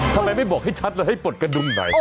ทำไมไม่บอกให้ชัดแล้วให้ปลดกระดุมไหน